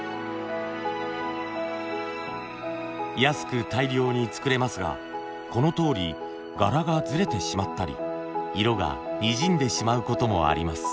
安く大量に作れますがこのとおり柄がずれてしまったり色がにじんでしまうこともあります。